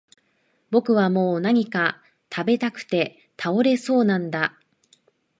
僕はもう何か喰べたくて倒れそうなんだ